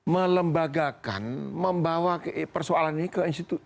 melembagakan membawa persoalan ini ke institusi